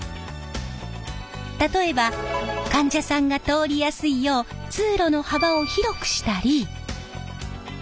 例えば患者さんが通りやすいよう通路の幅を広くしたり。